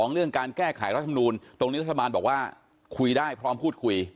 เรื่องการแก้ไขรัฐมนูลตรงนี้รัฐบาลบอกว่าคุยได้พร้อมพูดคุย